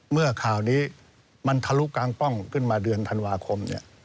เมื่อข่าวนี้มันทะลุกลางป้องขึ้นมาเดือนธันวาคม